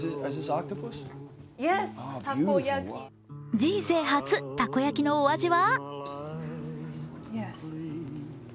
人生初、たこ焼きのお味は？